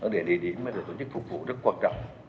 để đi đến với tổ chức phục vụ rất quan trọng